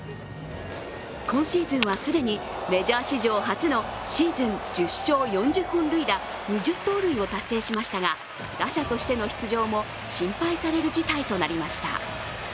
今シーズンは既にメジャー史上初のシーズン１０勝、４０本塁打、２０盗塁を達成しましたが打者としての出場も心配される事態となりました。